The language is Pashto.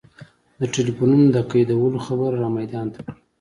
د ټلفونونو د قیدولو خبره را میدان ته کړه.